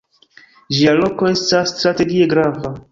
Ĝia loko estas strategie grava.